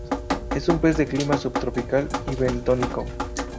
Es un pez de clima subtropical y bentónico.